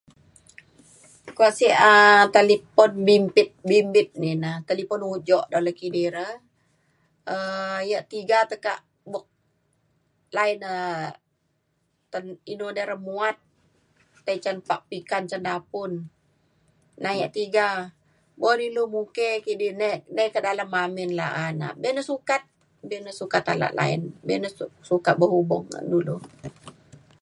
kuak sek um talipon bimpit bimbit di na talipon ujok dalau kidi re um yak tiga tekak buk line da ten- inu de re muat tei ca pak pikan cen dapun na yak tiga. bo na ilu muke kidi ne nai kak dalem amin la’a na be na sukat be na sukat alak line. be na su- sukat berhubung ngan dulu